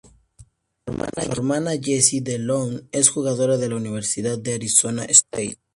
Su hermana Jessie DeLeon, es jugadora de la Universidad de Arizona State.